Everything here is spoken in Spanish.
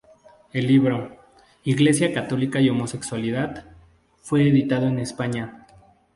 El libro "Iglesia católica y homosexualidad" fue editado en España.